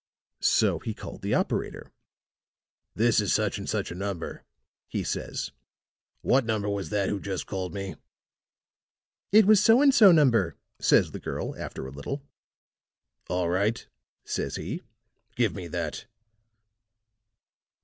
"So he called the operator. 'This is such and such a number,' he says. 'What number was that who just called me?' "'It was so and so number,' says the girl, after a little. "'All right,' says he, 'give me that.'"